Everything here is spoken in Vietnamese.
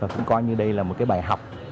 cũng coi như đây là một bài học